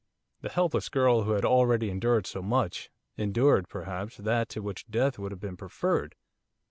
The helpless girl who had already endured so much, endured, perhaps, that to which death would have been preferred!